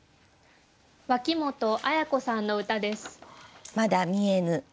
脇本文子さんの歌です。